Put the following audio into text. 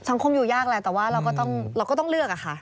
สังคมอยู่ยากแล้วแต่ว่าเราก็ต้องเลือกค่ะ